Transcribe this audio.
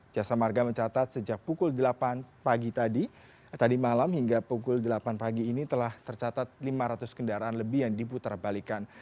jasa marga mencatat sejak pukul delapan pagi tadi malam hingga pukul delapan pagi ini telah tercatat lima ratus kendaraan lebih yang diputar balikan